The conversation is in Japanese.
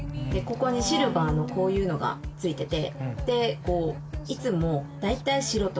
ここにシルバーのこういうのがついてて。